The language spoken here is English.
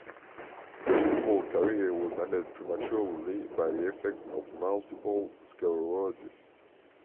His football career was ended prematurely by the effects of multiple sclerosis.